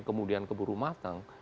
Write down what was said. kemudian keburu matang